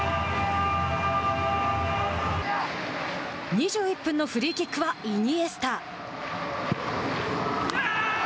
２１分のフリーキックはイニエスタ。